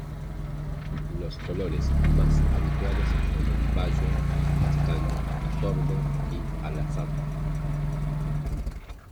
Los colores más habituales son el bayo, castaño, tordo y alazán.